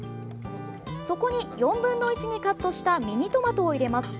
そこに４分の１にカットしたミニトマトを入れます。